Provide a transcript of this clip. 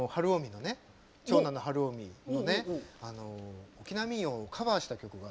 長男の晴臣がね沖縄民謡をカバーした曲が。